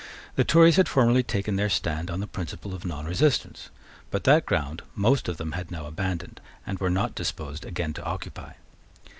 The Tories had formerly taken their stand on the principle of nonresistance. But that ground most of them had now abandoned, and were not disposed again to occupy.